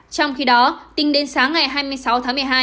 trong khi đó tính đến sáng ngày hai mươi sáu tháng một mươi hai